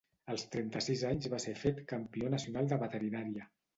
Als trenta-sis anys va ser fet campió nacional de Veterinària.